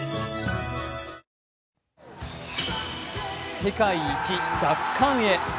世界一奪還へ。